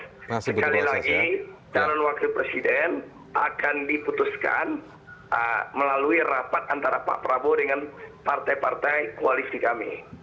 sekali lagi calon wakil presiden akan diputuskan melalui rapat antara pak prabowo dengan partai partai koalisi kami